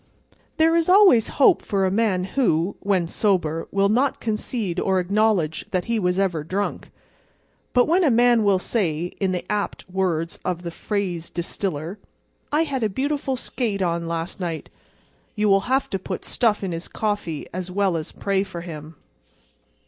There is always hope for a man who, when sober, will not concede or acknowledge that he was ever drunk. But when a man will say (in the apt words of the phrase distiller), "I had a beautiful skate on last night," you will have to put stuff in his coffee as well as pray for him.